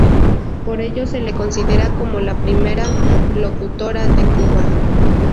Por ello se la considera como la primera locutora de Cuba.